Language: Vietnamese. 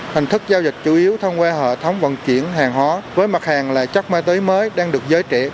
hình thức giao dịch chủ yếu thông qua hệ thống vận chuyển hàng hóa với mặt hàng là chất ma túy mới đang được giới trẻ